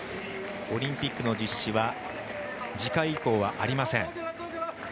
オリンピックの実施は次回以降はありません。